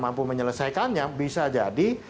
mampu menyelesaikannya bisa jadi